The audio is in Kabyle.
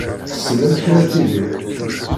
Tessen amek ara tidir.